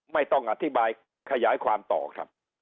ไม่ต้องอธิบายขยายความต่อครับ